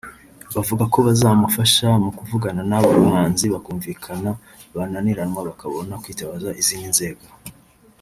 buvuga ko buzamufasha mu kuvugana n’abo bahanzi bakumvikana bananiranwa bakabona kwitabaza izindi nzego